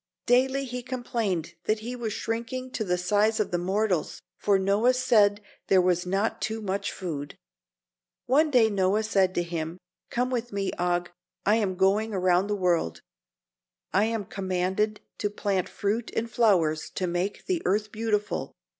Daily he complained that he was shrinking to the size of the mortals, for Noah said there was not too much food. One day Noah said to him, "Come with me, Og. I am going around the world. I am commanded to plant fruit and flowers to make the earth beautiful.